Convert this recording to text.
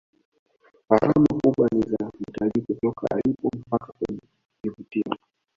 gharama kubwa ni za mtalii kutoka alipo mpaka kwenye vivutio